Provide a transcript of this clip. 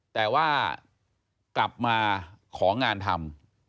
แต่ว่ากลับมาของานทำ